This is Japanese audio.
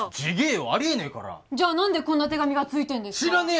ちげえよありえねえからじゃあ何でこんな手紙がついてんですか？